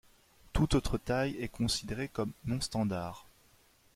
Toute autre taille est considérée comme non-standard.